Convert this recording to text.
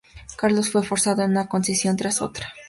Carlos fue forzado a una concesión tras otra.